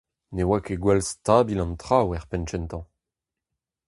Ne oa ket gwall stabil an traoù er penn kentañ.